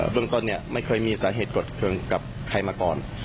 เรื่องต้นเนี่ยไม่เคยมีสาเหตุกดเครื่องกับใครมาก่อน